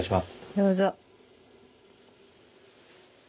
どうぞ。